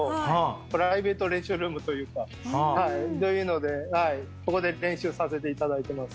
プライベート練習ルームというかというのでここで練習させていただいてます。